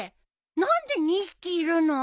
何で２匹いるの？